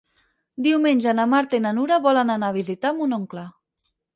Diumenge na Marta i na Nura volen anar a visitar mon oncle.